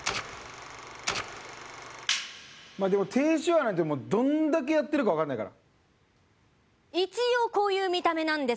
低周波なんてどんだけやってるかわかんないから。